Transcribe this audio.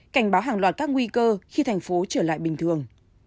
cảnh báo hàng loạt các nguy cơ khi thành phố trở lại bình thường